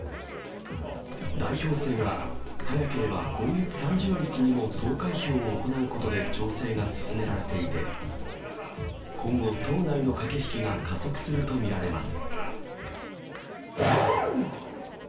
代表選は、早ければ今月３０日にも投開票を行うことで調整が進められていて、今後、党内の駆け引きが加速すると見られます。